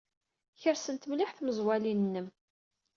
Kersent mliḥ tmaẓwalin-nnem.